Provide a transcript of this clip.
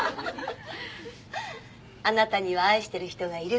あなたには愛してる人がいる？